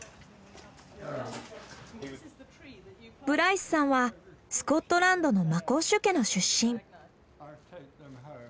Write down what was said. ブライスさんはスコットランドのマコッシュ家の出身。